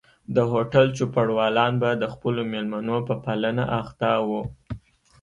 د هوټل چوپړوالان به د خپلو مېلمنو په پالنه اخته وو.